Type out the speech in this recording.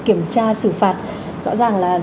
kiểm tra xử phạt rõ ràng là